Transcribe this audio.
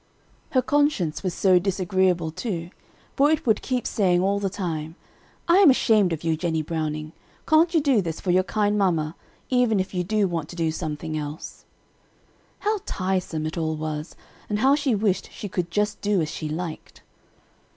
Her conscience was so disagreeable, too, for it would keep saying all the time, "I am ashamed of you, Jennie Browning! Can't you do this for your kind mamma, even if you do want to do something else?" How tiresome it all was, and how she wished she could "just do as she liked!"